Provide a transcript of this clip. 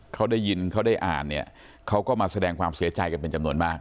เขาได้ยินเขาได้อ่านเนี่ยเขาก็มาแสดงความเสียใจกันเป็นจำนวนมาก